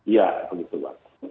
ya begitu pak